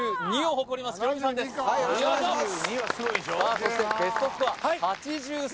そしてベストスコア８３